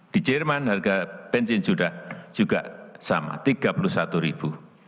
di jerman harga bensin sudah juga sama rp tiga puluh satu ribu